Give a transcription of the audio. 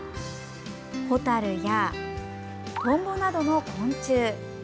ホタルやトンボなどの昆虫。